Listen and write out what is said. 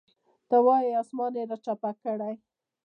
ته وایې اسمان یې راچپه کړی.